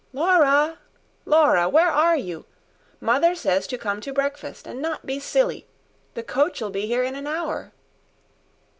"Laura! Laura, where are you? Mother says to come to breakfast and not be silly. The coach'll be here in an hour."